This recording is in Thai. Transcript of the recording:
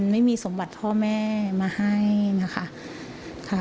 ไม่มีสมบัติพ่อแม่มาให้นะคะ